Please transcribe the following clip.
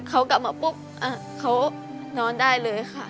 เขากลับมาปุ๊บเขานอนได้เลยค่ะ